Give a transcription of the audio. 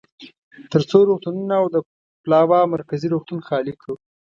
ترڅو روغتونونه او د پلاوا مرکزي روغتون خالي کړو.